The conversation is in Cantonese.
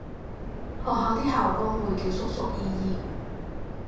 學校啲校工會叫叔叔姨姨